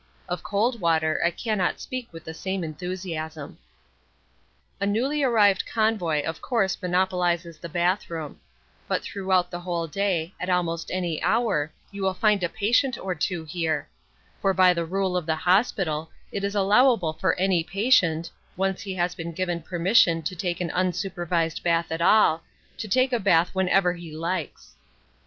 Of cold water I cannot speak with the same enthusiasm. A newly arrived convoy of course monopolises the bathroom; but throughout the whole day, at almost any hour, you will find a patient or two here; for by the rule of the hospital it is allowable for any patient once he has been given permission to take an unsupervised bath at all to take a bath whenever he likes.